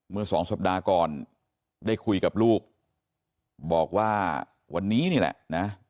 เมื่อสองสัปดาห์ก่อนได้คุยกับลูกบอกว่าวันนี้นี่แหละนะ